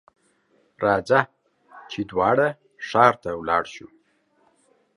راځه ! چې دواړه ښار ته ولاړ شو.